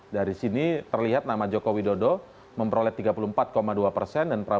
dari sini terlihat nama joko widodo memperoleh tiga puluh empat dua persen